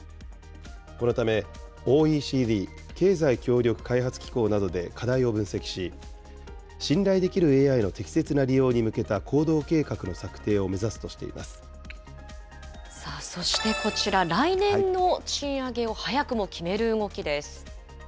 このためＯＥＣＤ・経済協力開発機構などで課題を分析し、信頼できるＡＩの適切な利用に向けた行動計画の策定を目指すとしそしてこちら、来年の賃上げを早くも決める動きです。